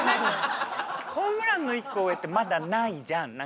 ホームランの一個上ってまだないじゃん何かねえ。